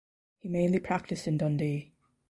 He mainly practiced in Dundee.